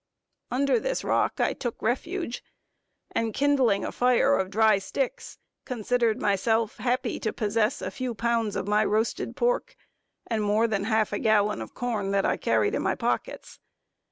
Under this rock I took refuge, and kindling a fire of dry sticks, considered myself happy to possess a few pounds of my roasted pork, and more than half a gallon of corn that I carried in my pockets.